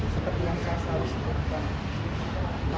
seperti yang saya selalu sebutkan